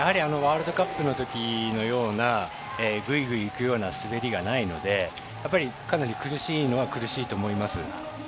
ワールドカップの時のようなぐいぐいいくような滑りがないのでやっぱりかなり苦しいのは苦しいと思います。